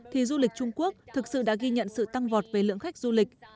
thì du lịch trung quốc thực sự đã ghi nhận sự tăng vọt về lượng khách du lịch